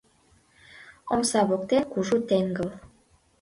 Омса воктен кужу теҥгыл.